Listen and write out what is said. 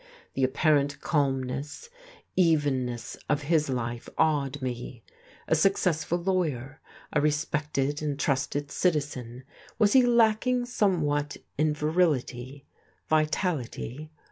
The apparent calmness, evenness of his life awed me. A successful lawyer, a respected and trusted citizen, was he lacking somewhat in virility, vitality?